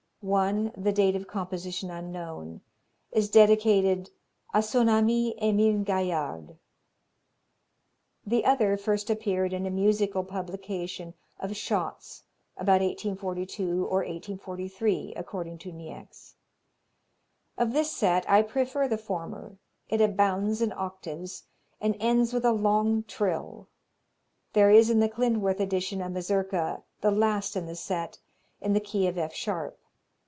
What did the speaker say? One, the date of composition unknown, is dedicated "a son ami Emile Gaillard;" the other first appeared in a musical publication of Schotts' about 1842 or 1843 according to Niecks. Of this set I prefer the former; it abounds in octaves and ends with a long trill There is in the Klindworth edition a Mazurka, the last in the set, in the key of F sharp.